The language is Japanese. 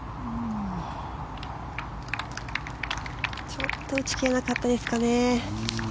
ちょっと打ち切れなかったですかね。